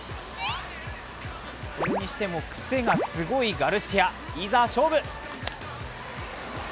それにしても、クセがすごいガルシア、いざ勝負！